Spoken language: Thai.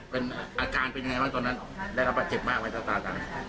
เป็นอาการเป็นยังไงบ้างตอนนั้นได้รับบาดเจ็บมากไหมถ้าตากัน